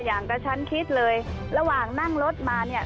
อย่างกระชั้นคิดเลยระหว่างนั่งรถมาเนี่ย